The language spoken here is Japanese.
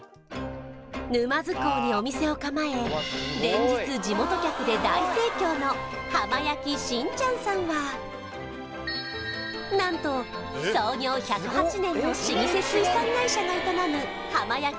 沼津港にお店を構え連日地元客で大盛況の浜焼きしんちゃんさんはなんと創業１０８年の老舗水産会社が営む浜焼き